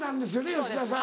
吉田さん。